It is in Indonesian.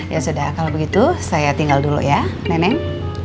ya sudah kalau begitu saya tinggal dulu ya neneng